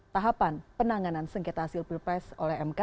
tahapan penanganan sengketa hasil pilpres oleh mk